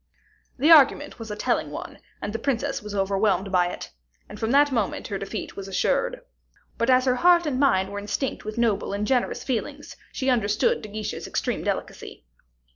The argument was a telling one, and the princess was overwhelmed by it, and from that moment her defeat was assured. But as her heart and mind were instinct with noble and generous feelings, she understood De Guiche's extreme delicacy.